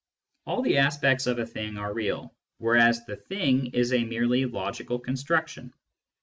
All the aspects of a thing are real, whereas the thing is a mere logical construction.